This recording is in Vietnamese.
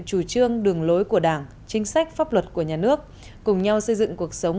chủ trương đường lối của đảng chính sách pháp luật của nhà nước cùng nhau xây dựng cuộc sống